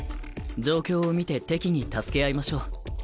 状況を見て適宜助け合いましょう。